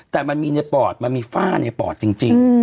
แต่มันมีในปอดมันมีฝ้าในปอดจริง